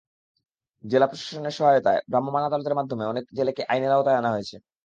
জেলা প্রশাসনের সহায়তায় ভ্রাম্যমাণ আদালতের মাধ্যমে অনেক জেলেকে আইনের আওতায় আনা হয়েছে।